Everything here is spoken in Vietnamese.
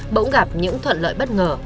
bỗng gặp những thuận lợi bất ngờ